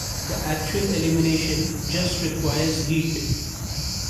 The actual elimination just requires heat.